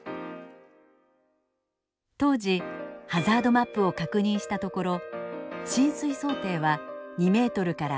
当時ハザードマップを確認したところ浸水想定は２ｍから３ｍ。